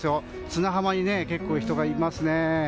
砂浜に結構、人がいますね。